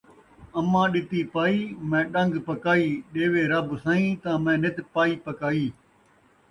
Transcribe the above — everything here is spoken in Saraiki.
اماں ݙتی پائی، میں ݙنگ پکائی، ݙیوے رب سئیں تاں میں نت پائی پکائی